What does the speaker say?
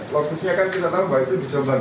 logisnya kan kita tahu bahwa itu di jombang